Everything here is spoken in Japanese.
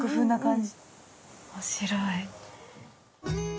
面白い。